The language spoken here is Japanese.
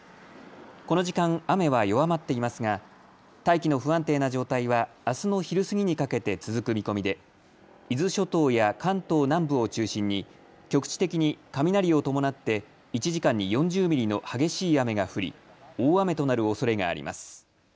この時間、雨は弱まっていますが大気の不安定な状態はあすの昼過ぎにかけて続く見込みで伊豆諸島や関東南部を中心に局地的に雷を伴って１時間に４０ミリの激しい雨が降り大雨となるおそれがあります。